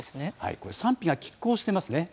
これ、賛否がきっ抗してますね。